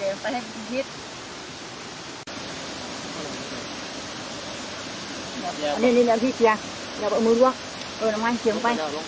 เวลาเกิดพลัง